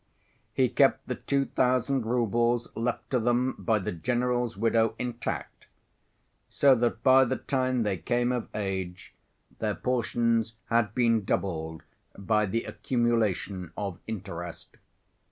He kept the two thousand roubles left to them by the general's widow intact, so that by the time they came of age their portions had been doubled by the accumulation of interest.